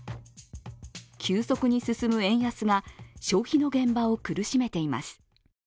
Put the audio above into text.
急速に進む円安が消費の現場を苦しめています。